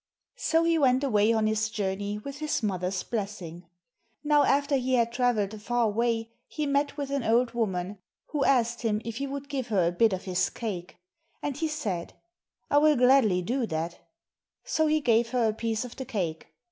So he went away on his journey with his mother's blessing. Now after he had travelled a far way, he met with an old woman who asked him if he would give her a bit of his cake. And he said, "I will gladly do that" ; so he gave her a piece of the cake.